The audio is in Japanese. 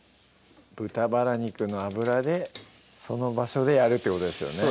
豚バラ肉の脂でその場所でやるってことですよね